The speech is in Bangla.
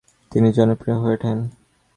তিনি জনপ্রিয় হয়ে ওঠেন।